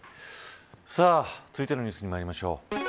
さあ、続いてのニュースにまいりましょう。